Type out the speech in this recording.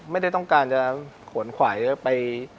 ไม่ได้ต้องการขนขวายเรื่องไป